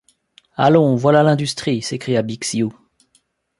Allons, voilà l’Industrie! s’écria Bixiou.